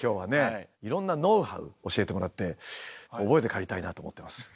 いろんなノウハウ教えてもらって覚えて帰りたいなと思ってます。